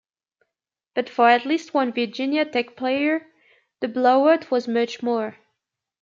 But for at least one Virginia Tech player, the blowout was much more.